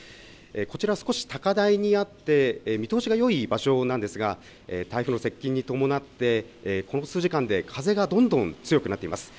こちら少し高台にあって見通しがよい場所なんですが、台風の接近に伴ってこの数時間で風がどんどん強くなっています。